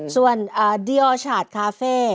ส่วนเดียวฉาดคาเฟ่